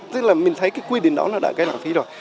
tức là mình thấy cái quy định đó nó đã gây lạng phí rồi